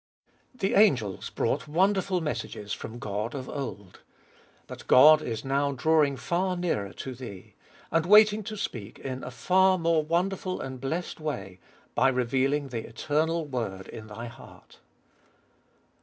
1. The angels brought wonderful messages from God of old : but God is now drawing far nearer to thee, and waiting to speak in a far more wonderful and blessed way, by revealing the eternal Word in thy heart.